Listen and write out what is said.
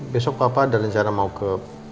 besok bapak ada rencana mau ke